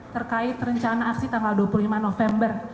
terkait rencana aksi tanggal dua puluh lima november